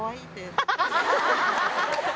アハハハ！